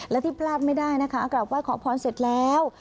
และที่พลาดไม่ได้นะคะกลับไห้ขอพรเสร็จแล้ว